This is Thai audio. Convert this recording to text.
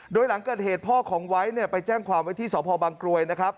โดยหลังเกิดเหตุพ่อของไว้เนี่ยไปแจ้งความไว้ที่สพบังกลวยนะครับ